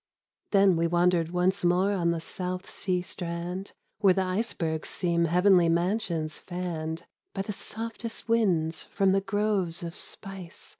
... Then we wandered once more on the South Sea strand Where the icebergs seem Heavenly Mansions fanned By the softest winds from the groves of spice.